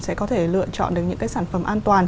sẽ có thể lựa chọn được những cái sản phẩm an toàn